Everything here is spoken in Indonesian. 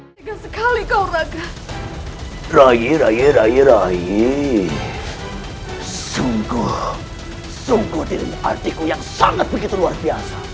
terima kasih rai